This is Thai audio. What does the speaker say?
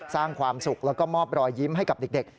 สร้างความสุขแล้วก็มอบรอยยิ้มให้กับเด็ก